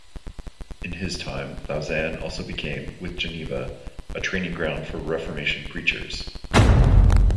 In his time, Lausanne also became, with Geneva, a training ground for Reformation preachers.